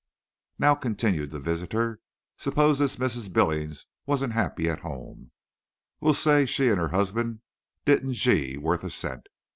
"Now," continued the visitor, "suppose this Mrs. Billings wasn't happy at home? We'll say she and her husband didn't gee worth a cent.